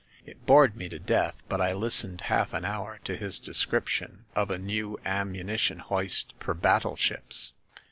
It bored me to death ; but I listened half an hour to his description of a new ammunition hoist for battleships."